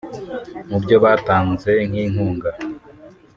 Mu byo batanze nk’inkunga